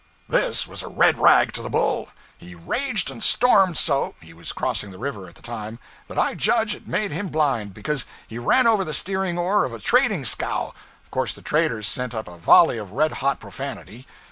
This was a red rag to the bull. He raged and stormed so (he was crossing the river at the time) that I judge it made him blind, because he ran over the steering oar of a trading scow. Of course the traders sent up a volley of red hot profanity.